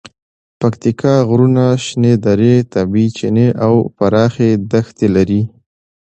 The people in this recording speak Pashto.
پکتیکا غرونه، شنې درې، طبیعي چینې او پراخې دښتې لري.